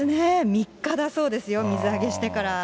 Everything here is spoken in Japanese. ３日だそうですよ、水揚げしてから。